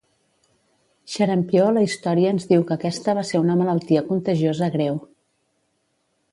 Xarampió la història ens diu que aquesta va ser una malaltia contagiosa greu.